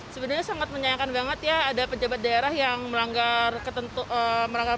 sebenarnya sangat menyayangkan banget ya ada pejabat daerah yang melanggar ketentuan